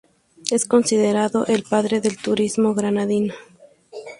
Es considerado el "padre del turismo granadino".